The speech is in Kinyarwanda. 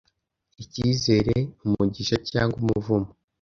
icyizere, umugisha cyangwa umuvumo